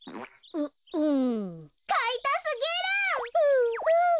ううん。